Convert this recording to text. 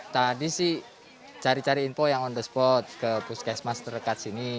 tadi sih cari cari info yang on the spot ke puskesmas terdekat sini